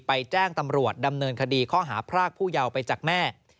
แจ้งตำรวจดำเนินคดีข้อหาพรากผู้เยาว์ไปจากแม่